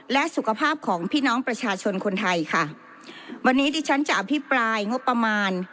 และสุขภาพของพี่น้องประชาชนคนไทยค่ะวันนี้ดิฉันจะอภิปรายงบประมาณ